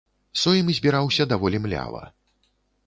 Сойм збіраўся даволі млява.